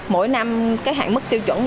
mỗi năm cái hạn mức tiêu chuẩn